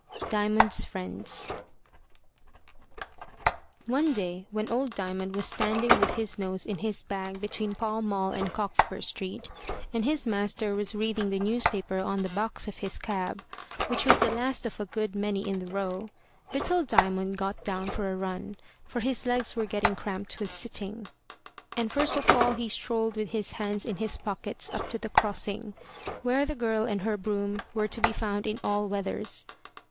DIAMOND'S FRIENDS ONE day when old Diamond was standing with his nose in his bag between Pall Mall and Cockspur Street, and his master was reading the newspaper on the box of his cab, which was the last of a good many in the row, little Diamond got down for a run, for his legs were getting cramped with sitting. And first of all he strolled with his hands in his pockets up to the crossing, where the girl and her broom were to be found in all weathers.